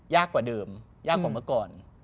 ยากกว่าเดิมยากกว่าเมื่อก่อน